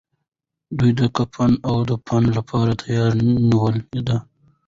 دوی د کفن او دفن لپاره تياری نيولی و.